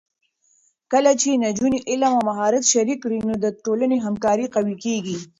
کله چې نجونې علم او مهارت شریک کړي، نو د ټولنې همکاري قوي کېږي.